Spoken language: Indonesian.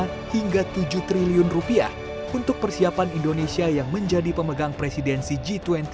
dana hingga tujuh triliun rupiah untuk persiapan indonesia yang menjadi pemegang presidensi g dua puluh dua ribu dua puluh dua